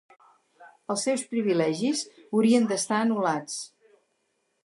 Els seus privilegis haurien d'estar anul·lats.